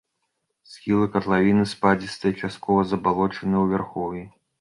Схілы катлавіны спадзістыя, часткова забалочаныя ў вярхоўі.